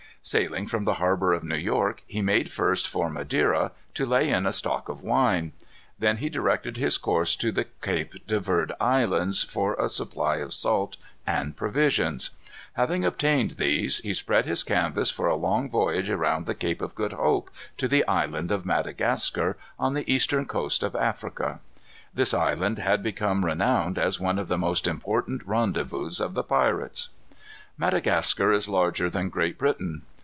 Sailing from the harbor of New York, he made first for Madeira, to lay in a stock of wine. Then he directed his course to the Cape de Verd Islands, for a supply of salt and provisions. Having obtained these, he spread his canvas for a long voyage around the Cape of Good Hope, to the Island of Madagascar, on the eastern coast of Africa. This island had become renowned as one of the most important rendezvouses of the pirates. Madagascar is larger than Great Britain.